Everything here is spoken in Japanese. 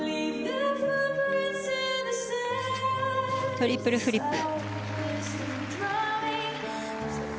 トリプルフリップ。